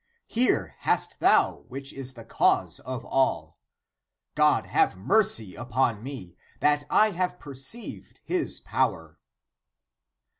Here hast thou which is the cause of all. God have mercy upon me, that I have perceived his power."